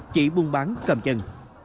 chị buôn bán cầm chân